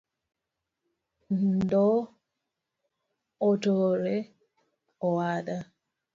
Ndoo otore owada